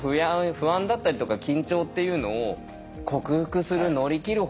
不安だったりとか緊張っていうのを克服する乗り切る